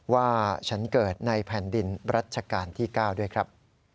ว่าฉันเกิดในแผ่นดินรัชกาลที่๙ด้วยครับ